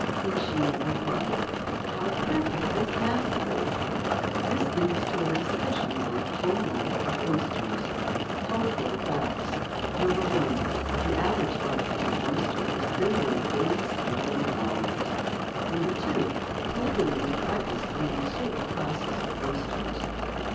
She (he) replies: "How perfectly ghastly." This leads to a discussion of: Home Life of Oysters. Helpful Facts: 1. The average life of an oyster is 38 days, 11 hours. 2. Polygamy is practised among certain classes of oysters.